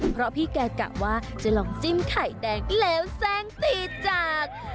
เพราะพี่แกกลับว่าจะลองจิ้มไข่แดงเลวแซงตีดจาก